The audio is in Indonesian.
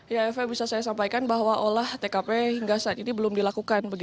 ya eva bisa saya sampaikan bahwa olah tkp hingga saat ini belum dilakukan